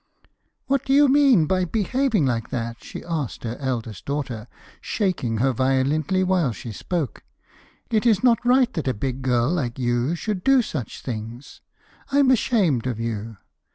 'What do you mean by behaving like that?' she asked her eldest daughter, shaking her violently while she spoke. 'It is not right that a big girl like you should do such things. I am ashamed of you!